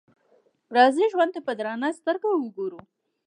راځئ ژوند ته په درنه سترګه وګورو.